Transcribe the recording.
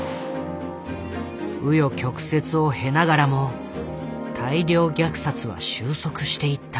紆余曲折を経ながらも大量虐殺は収束していった。